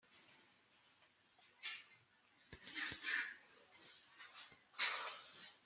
La rédaction de MotorsInside.com est composée d'une dizaine de journalistes, ou étudiants en journalisme.